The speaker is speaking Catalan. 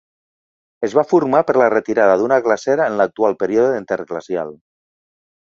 Es va formar per la retirada d'una glacera en l'actual període interglacial.